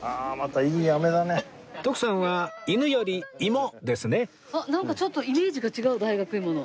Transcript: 徳さんは犬より芋ですねなんかちょっとイメージが違う大学芋の。